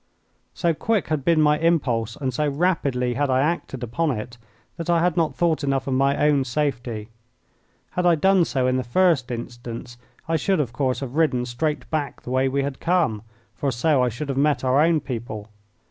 So quick had been my impulse, and so rapidly had I acted upon it, that I had not thought enough of my own safety. Had I done so in the first instance I should, of course, have ridden straight back the way we had come, for so I should have met our own people.